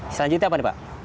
selanjutnya apa nih pak